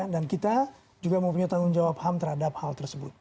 dan kita juga mempunyai tanggung jawab ham terhadap hal tersebut